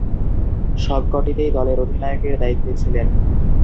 সবকটিতেই দলের অধিনায়কের দায়িত্বে ছিলেন।